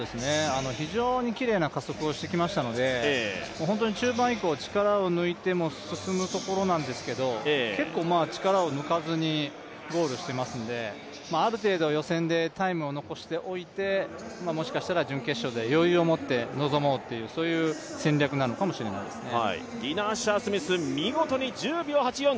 非常にきれいな加速をしてきましたので、中盤以降力を抜いても進むところなんですけど、結構力を抜かずにゴールしてますんで、ある程度予選でタイムを残しておいてもしかしたら準決勝で余裕を持って臨もうという戦略なのかもしれないですね。